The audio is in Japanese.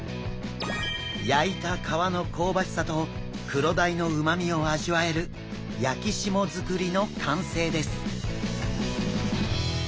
焼いた皮の香ばしさとクロダイのうまみを味わえる焼き霜造りの完成です。